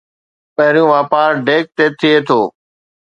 پهريون واپار ڊيڪ تي ٿئي ٿو